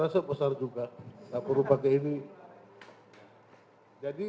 ini peluru peluru ini